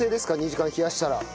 ２時間冷やしたら。